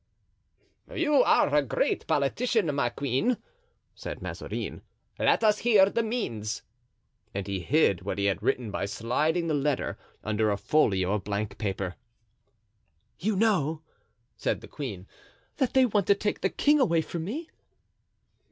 "You are a great politician, my queen," said Mazarin; "let us hear the means." And he hid what he had written by sliding the letter under a folio of blank paper. "You know," said the queen, "that they want to take the king away from me?"